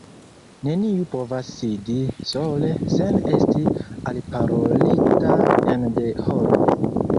Neniu povas sidi sole sen esti alparolita ene de horo.